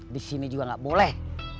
di sini juga nggak boleh